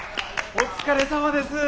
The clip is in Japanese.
お疲れさまです。